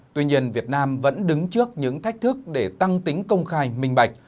tuy nhiên việt nam vẫn đứng trước những thách thức để tăng tính công khai minh bạch